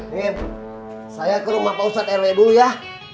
nih saya ke rumah pak ustadz rw dulu ya